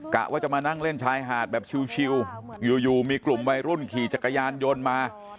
กะว่าจะมานั่งเล่นชายหาดแบบชิวอยู่มีกลุ่มวัยรุ่นขี่จักรยานยนต์มา